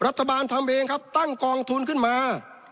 รัฐบาลทำเองครับตั้งกองทุนขึ้นมา